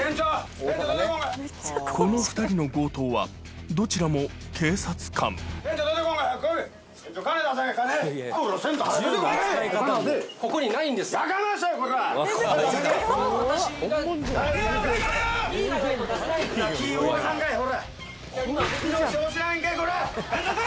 この２人の強盗はどちらも警察官早う出せ！